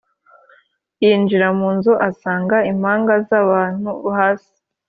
yinjira mu nzu, asanga impanga z' abantu hasi